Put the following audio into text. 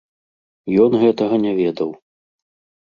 Ён гэтага не ведаў.